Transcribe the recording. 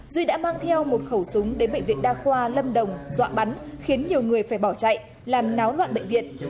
duy đã mang theo một khẩu súng đến bệnh viện đa khoa lâm đồng dọa bắn khiến nhiều người phải bỏ chạy làm náo loạn bệnh viện